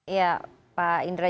ya pak indra